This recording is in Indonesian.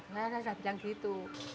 nanti saya sudah bilang begitu